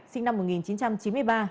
sinh năm một nghìn chín trăm chín mươi ba